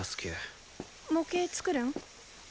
模型作るん？